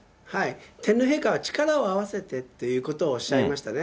天皇陛下は力を合わせてっていうことをおっしゃいましたね。